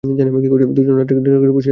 দুজনে দিনরাত্রি ঘরে বসিয়া থাকা কি ভালো?